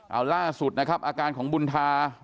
เอาล่าสุดนะครับอาการของบุญธา